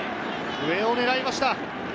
上を狙いました。